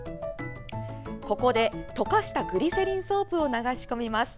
ここで、溶かしたグリセリンソープを流し込みます。